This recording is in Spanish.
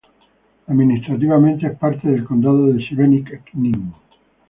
Administrativamente, es parte del Condado de Šibenik-Knin.